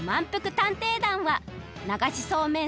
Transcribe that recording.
探偵団はながしそうめん